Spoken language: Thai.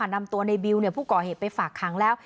นำตัวในบิวผู้ก่อเหตุไปฝากขังแล้ว